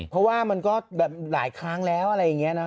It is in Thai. เพราะว่ามันก็แบบหลายครั้งแล้วอะไรอย่างนี้นะ